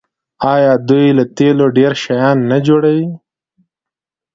آیا دوی له تیلو ډیر شیان نه جوړوي؟